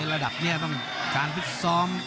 ระดับนี้ต้องการฟิตซ้อม